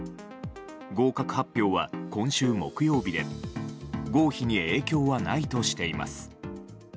合格発表は今週木曜日で合否に影響はないとしています。